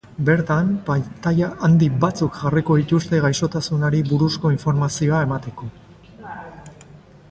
Bertan, pantaila handi batzuk jarriko dituzte gaixotasunari buruzko informazioa emateko.